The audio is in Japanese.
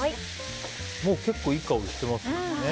もう結構いい香りしてますけどね。